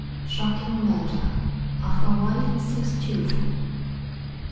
SHOCKING MURDER OF A WIFE AND SIX CHILDREN.